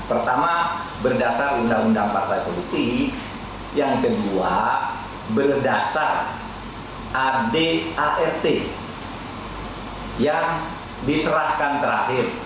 pertama berdasar undang undang partai politik yang kedua berdasar adart yang diserahkan terakhir